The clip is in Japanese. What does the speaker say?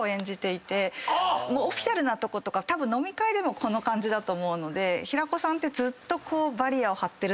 オフィシャルなとことか飲み会でもこの感じだと思うので平子さんって。